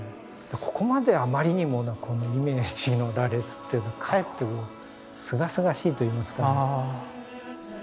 ここまであまりにもイメージの羅列っていうのかえってすがすがしいといいますか。